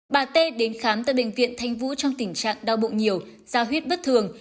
bà tê đến khám tại bệnh viện thanh vũ trong tình trạng đau bụng nhiều gia huyết bất thường